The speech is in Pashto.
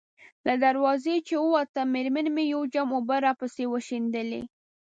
له دروازې چې ووتم، مېرمنې مې یو جام اوبه راپسې وشیندلې.